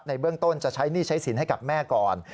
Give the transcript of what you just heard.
เบื้องต้นจะใช้หนี้ใช้สินให้กับแม่ก่อน